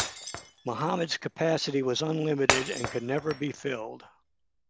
Muhammad's capacity was unlimited and could never be filled.